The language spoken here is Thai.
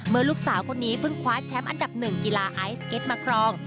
ลูกสาวคนนี้เพิ่งคว้าแชมป์อันดับหนึ่งกีฬาไอซ์เก็ตมาครอง